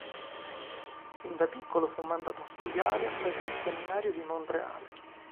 Fin da piccolo fu mandato a studiare presso il seminario di Monreale.